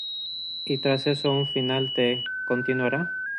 Y tras eso un final de "Continuará..."?